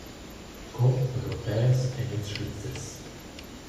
Con Europès ein ils Svizzers?